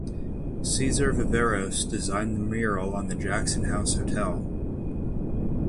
Cesar Viveros designed the mural on The Jackson House Hotel.